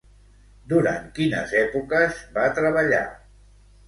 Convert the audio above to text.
Durant quines èpoques va treballar?